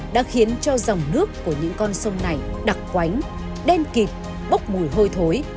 đã khiến cho dòng nước của những con sông này đặc quánh đen kịp bốc mùi hôi thối